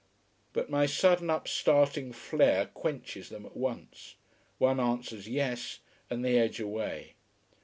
But my sudden up starting flare quenches them at once. One answers yes, and they edge away.